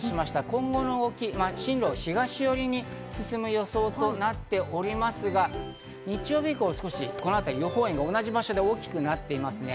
今後の動き、進路は東寄りに進む予想となっておりますが、日曜日以降、予報円の同じ場所で大きくなっていますね。